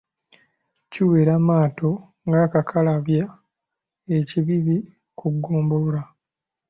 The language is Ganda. Kireewa Maato ng'akakkalabya e Kibibi ku ggombolola.